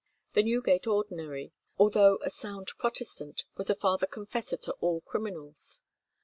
The Newgate ordinary, although a sound Protestant, was a father confessor to all criminals.